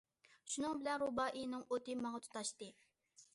شۇنىڭ بىلەن رۇبائىينىڭ ئوتى ماڭا تۇتاشتى.